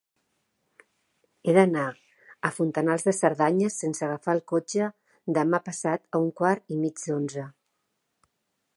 He d'anar a Fontanals de Cerdanya sense agafar el cotxe demà passat a un quart i mig d'onze.